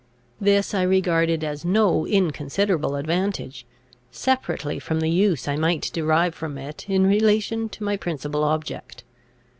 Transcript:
This I regarded as no inconsiderable advantage, separately from the use I might derive from it in relation to my principal object.